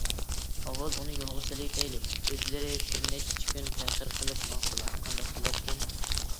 ئاۋۋال ئۇنى يولغا سېلىۋېتەيلى، ئۆزلىرى بىرنەچچە كۈن تەخىر قىلىپ ماڭسىلا قانداق بولاركىن؟